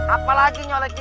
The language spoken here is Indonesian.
apalagi nyelek dia